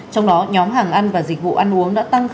trong đó nhóm hàng ăn và dịch vụ ăn uống đã tăng